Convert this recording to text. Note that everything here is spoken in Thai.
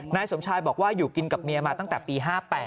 นายสมชายบอกว่าอยู่กินกับเมียมาตั้งแต่ปี๕๘